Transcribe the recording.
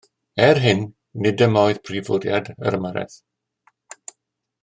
Er hyn, nid dyma oedd prif fwriad yr ymyrraeth